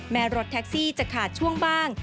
รถแท็กซี่จะขาดช่วงบ้าง